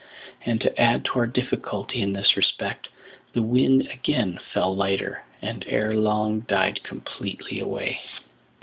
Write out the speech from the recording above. And to add to our difficulty in this respect, the wind again fell lighter, and ere long died completely away.